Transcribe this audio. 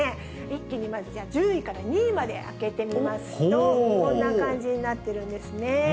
一気にまず、じゃあ、１０位から２位まで開けてみますと、こんな感じになってるんですね。